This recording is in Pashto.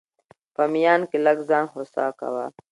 په ميان کي لږ ځان هوسا کوه!